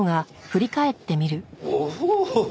おお！